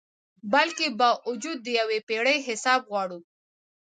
بلکي باوجود د یو پیړۍ حساب غواړو